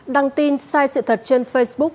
đăng tin sai sự thật trên facebook